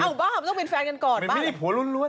เอ้าบ้างต้องเป็นแฟนกันก่อนบ้าง